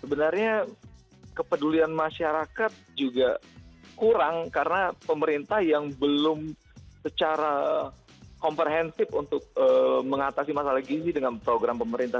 sebenarnya kepedulian masyarakat juga kurang karena pemerintah yang belum secara komprehensif untuk mengatasi masalah gizi dengan program pemerintah